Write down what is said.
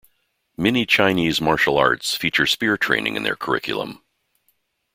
Many Chinese martial arts feature spear training in their curriculum.